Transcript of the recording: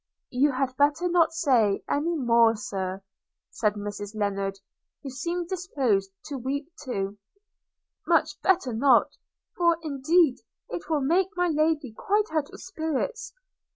'You had better not say any more, Sir,' said Mrs Lennard, who seemed disposed to weep too – 'much better not, for indeed it will make my lady quite out of spirits.'